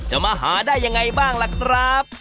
มาหาได้ยังไงบ้างล่ะครับ